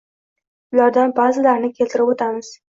Ulardan ba’zilarini keltirib o‘tamiz: